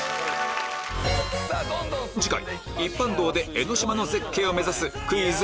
次回一般道で江の島の絶景を目指すクイズ！